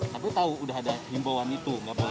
tapi tau udah ada himbauan itu gak boleh